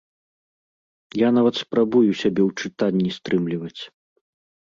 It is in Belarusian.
Я нават спрабую сябе ў чытанні стрымліваць.